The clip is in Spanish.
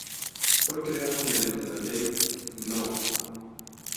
Fue creado mediante la ley No.